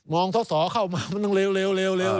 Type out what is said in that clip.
มองทศเข้ามามันต้องเลว